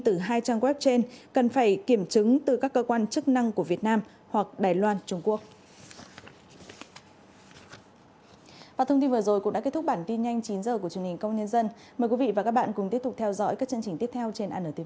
từ hai trang web trên cần phải kiểm chứng từ các cơ quan chức năng của việt nam hoặc đài loan trung quốc